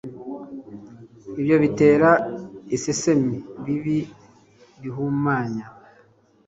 Ibyo bitera isesemi bibi bihumanye